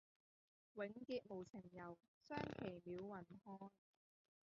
永結無情遊，相期邈雲漢